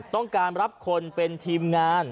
ต้องการรับคนเป็นทีมงาน